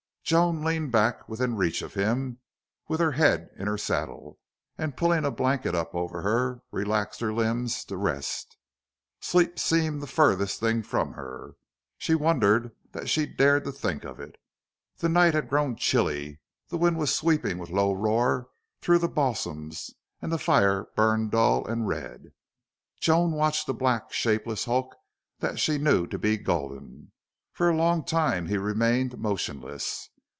Joan leaned back, within reach of him, with her head in her saddle, and pulling a blanket up over her, relaxed her limbs to rest. Sleep seemed the furthest thing from her. She wondered that she dared to think of it. The night had grown chilly; the wind was sweeping with low roar through the balsams; the fire burned dull and red. Joan watched the black, shapeless hulk that she knew to be Gulden. For a long time he remained motionless.